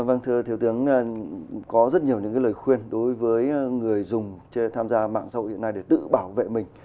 vâng thưa thủ tướng có rất nhiều lời khuyên đối với người dùng tham gia mạng xã hội này để tự bảo vệ mình